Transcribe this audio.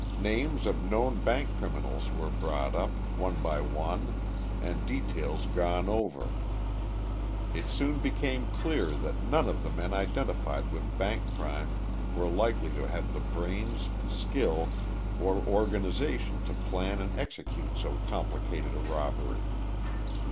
Names of known bank criminals were brought up, one by one, and details gone over. It soon became clear that none of the men identified with bank crime were likely to have the brains, skill or organization to plan and execute so complicated a robbery.